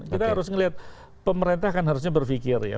kita harus melihat pemerintah kan harusnya berpikir ya